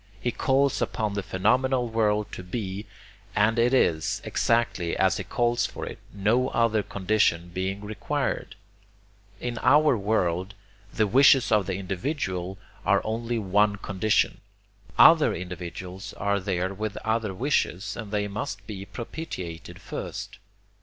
He calls upon the phenomenal world to be, and it IS, exactly as he calls for it, no other condition being required. In our world, the wishes of the individual are only one condition. Other individuals are there with other wishes and they must be propitiated first.